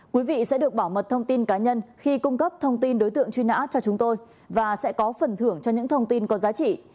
quý vị sẽ được bảo mật thông tin cá nhân khi cung cấp thông tin đối tượng truy nã cho chúng tôi và sẽ có phần thưởng cho những thông tin có giá trị